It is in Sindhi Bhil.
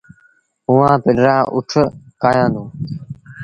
اُئآݩ پنڊرآ اُٺ ڪآهيآندون۔